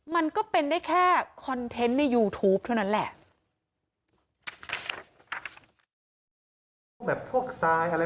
มันก็เป็นได้แค่คอนเทนต์ในยูทูปเท่านั้นแหละ